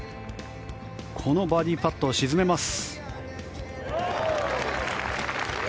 このバーディーパットを沈めます。